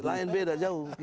lain beda jauh